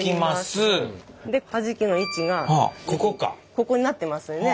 ここになってますよね。